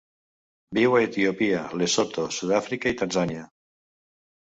Viu a Etiòpia, Lesotho, Sud-àfrica i Tanzània.